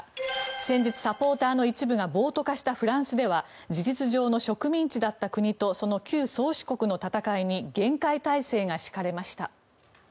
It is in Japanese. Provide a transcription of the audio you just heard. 先日、サポーターの一部が暴徒化したフランスでは事実上の植民地だった国とその旧宗主国の戦いに厳戒態勢が敷かれました。